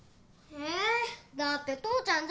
えぇだって父ちゃん